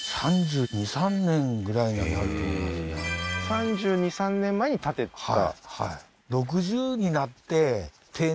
３２３３年前に建てた？